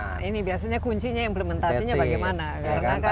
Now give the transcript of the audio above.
nah ini biasanya kuncinya implementasinya bagaimana